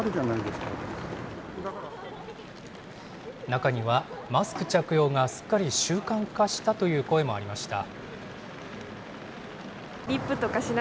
中にはマスク着用がすっかり習慣化したという声もありました。